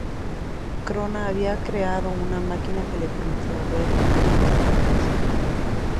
Krona había creado una máquina que le permitiría ver el momento de la creación.